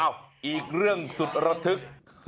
อีกเรื่องสุดระทึก